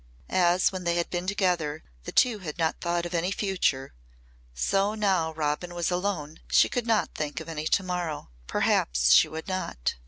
As, when they had been together, the two had not thought of any future, so, now Robin was alone, she could not think of any to morrow perhaps she would not.